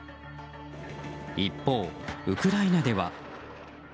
一方、ウクライナでは。